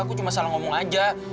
aku cuma salah ngomong aja